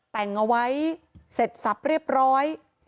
แต่งเอาไว้เสร็จสับเรียบร้อย